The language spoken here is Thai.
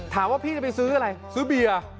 ถามว่าพี่จะไปซื้ออะไรซื้อเบียร์